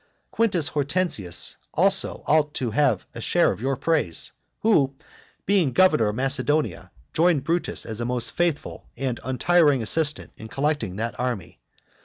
Quintus Hortensius also ought to have a share of your praise, who, being governor of Macedonia, joined Brutus as a most faithful and untiring assistant in collecting that army.